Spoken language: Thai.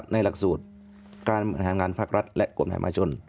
หลักสูตรการบริหารงานภาครัฐและกฎหมายมาชน